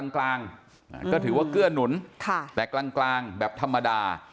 กลางก็ถือว่าเกื้อหนุนแต่กลางแบบธรรมดา